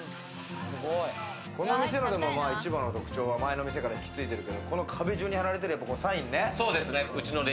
この店は一番の特徴は前の店から引き継いでる、この壁中に貼られてるサインで。